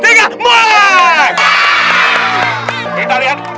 dengan kaki halilintar